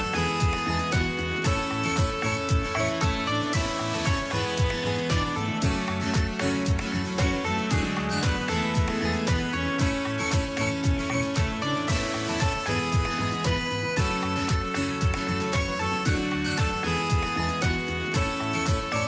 โปรดติดตามตอนต่อไป